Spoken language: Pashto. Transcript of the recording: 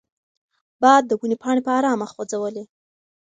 باد د ونې پاڼې په ارامه خوځولې.